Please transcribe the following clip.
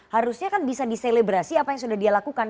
harusnya kan bisa diselebrasi apa yang sudah dia lakukan